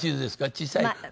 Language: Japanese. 小さい？